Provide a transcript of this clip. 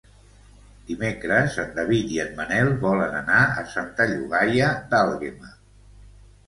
Dimecres en David i en Manel volen anar a Santa Llogaia d'Àlguema.